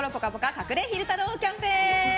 隠れ昼太郎キャンペーン！